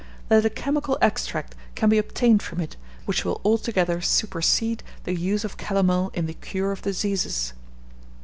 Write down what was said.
That a chemical extract can be obtained from it, which will altogether supersede the use of calomel in the cure of diseases.